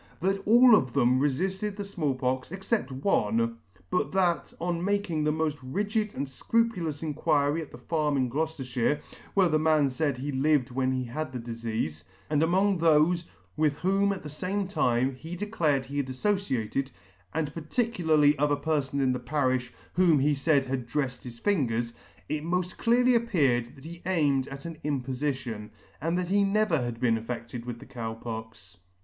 That all of them refilled the Small Pox, except one ; but that, on making the moil rigid and fcrupulous inquiry at the farm in Gloucefterfhire, where the man faid he lived when he had the difeafe, and among thofe with whom at the fame time he declared he had aiTociated, and parti cularly of a perfon in the parifh, whom he faid had drefled his fingers, it moil clearly appeared that he aimed at an impofition, and that he never had been affedted with the Cow Pox*.